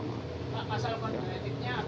pak pasal kontributifnya apa itu pak